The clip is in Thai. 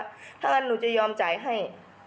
ถ้าอย่างนั้นหนูจะยอมจ่ายให้